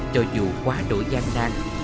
cho dù quá đổi gian nan